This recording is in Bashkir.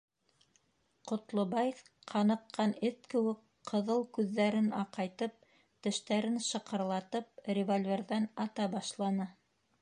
Ҡотлобай, ҡаныҡҡан эт кеүек, ҡыҙыл күҙҙәрен аҡайтып тештәрен шыҡырлатып, револьверҙан ата башланы.